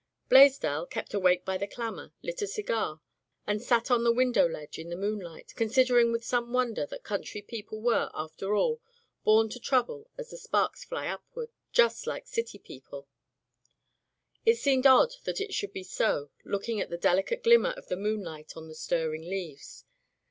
Blaisdell, kept awake by the clamor, lit a cigar, and sat on the window ledge in the moonlight, considering with some wonder that country people were, after all, born to trouble as the sparks fly upward, just like [ 332 ] Digitized by LjOOQ IC Turned Out to Grass city people. It seemed odd that it should be so, looking at the delicate glimmer of the moonlight on the stirring leaves.